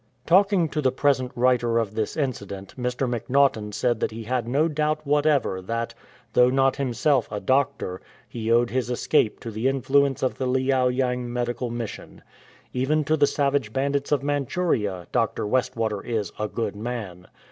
Talking to the present writer of this incident, Mr. MacNaughtan said that he had no doubt whatever that, though not himself a doctor, he owed his escape to the influence of the Liao yang medical mission. Even to the savage bandits of Manchuria Dr. Westwater is " a good man.""